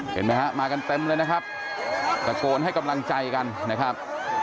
เห็นไหมฮะมากันเต็มเลยนะครับตะโกนให้กำลังใจกันนะครับ